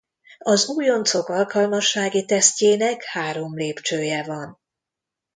Az újoncok alkalmassági tesztjének három lépcsője van.